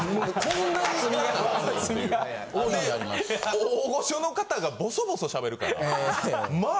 大御所の方がボソボソ喋るからまあ。